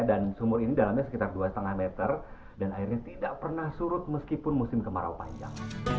dan sumur ini dalamnya sekitar dua lima meter dan airnya tidak pernah surut meskipun musim kemarau panjang